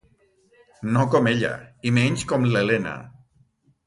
No com ella... i menys com l'Elena!